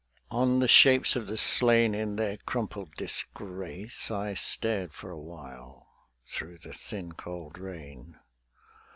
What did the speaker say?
On the shapes of the slain in their crumpled disgrace I stared for a while through the thin cold rain....